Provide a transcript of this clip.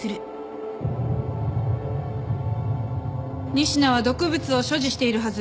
仁科は毒物を所持しているはず。